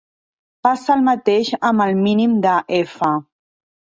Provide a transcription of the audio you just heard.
Passa el mateix amb el mínim de "f".